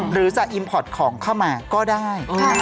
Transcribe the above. หรือจะอิมพอร์ตของเข้ามาก็ได้